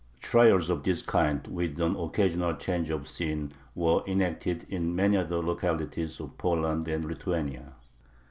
Trials of this kind, with an occasional change of scene, were enacted in many other localities of Poland and Lithuania.